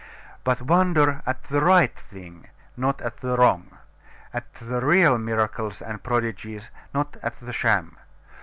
But wonder at the right thing, not at the wrong; at the real miracles and prodigies, not at the sham.